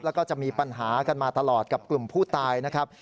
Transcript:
แล้วก็จะมีปัญหากันมาตลอดกับกลุ่มผู้ตายนะครับ